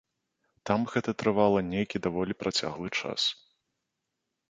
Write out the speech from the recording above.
Там гэта трывала нейкі даволі працяглы час.